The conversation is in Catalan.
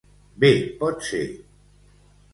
Bé pot ser.